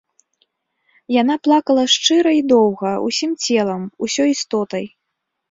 Яна плакала шчыра і доўга, усім целам, усёй істотай.